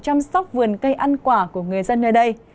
chăm sóc vườn cây ăn quả của người dân nơi đây